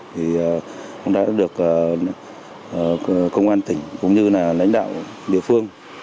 thì cũng đã được công an tỉnh cũng như là lãnh đạo địa phương